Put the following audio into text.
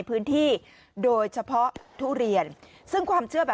พี่ทำยังไงฮะ